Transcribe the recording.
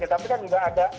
tapi kan juga ada